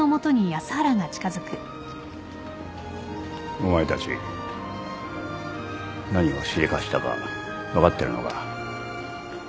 お前たち何をしでかしたか分かってるのか？